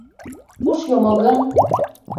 Куш йомо гын?